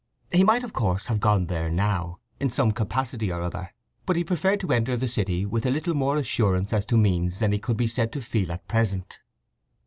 He might, of course, have gone there now, in some capacity or other, but he preferred to enter the city with a little more assurance as to means than he could be said to feel at present.